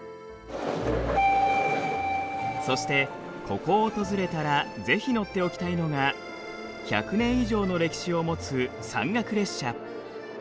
そしてここを訪れたらぜひ乗っておきたいのが１００年以上の歴史を持つ山岳列車。